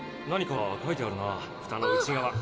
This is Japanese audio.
何か書いてあるなふたの内側。